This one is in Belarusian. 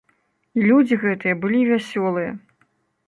І людзі гэтыя былі вясёлыя!